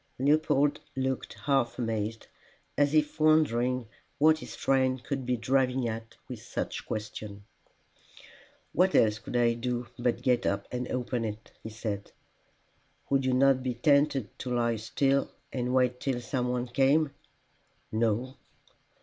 Leopold looked half amazed, as if wondering what his friend could be driving at with such a question. "What else could I do but get up and open it?" he said. "Would you not be tempted to lie still and wait till some one came." "No."